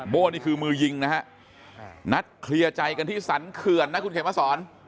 โบ้นี่คือมือยิงนะฮะนัดเคลียร์ใจกันที่สรรเขื่อนนะคุณเขียนมาสอน